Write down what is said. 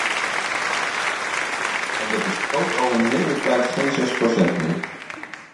En dat is ook al een hele tijd geen zes procent meer.